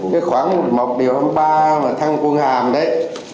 cái khoảng mọc điều hai mươi ba mà thăng quân hàm đấy